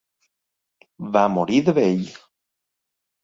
Va morir de vell.